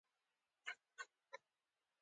د میوو د پاکوالي لپاره د لیمو او اوبو ګډول وکاروئ